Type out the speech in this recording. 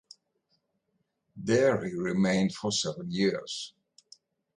There he remained for seven years.